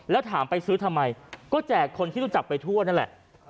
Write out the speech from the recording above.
แล้วถามไปซื้อทำไมก็แจกคนที่รู้จักไปทั่วนั่นแหละ